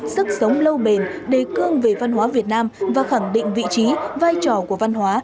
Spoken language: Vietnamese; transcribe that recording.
sức sống lâu bền đề cương về văn hóa việt nam và khẳng định vị trí vai trò của văn hóa